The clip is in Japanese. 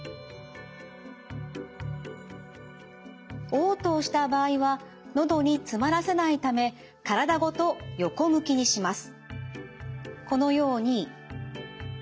おう吐をした場合は喉に詰まらせないため体ごと横向きにします。